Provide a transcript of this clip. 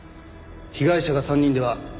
被害者が３人では。